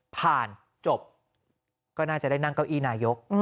จบก็น่าจะได้นั่งเก้าอี้นายก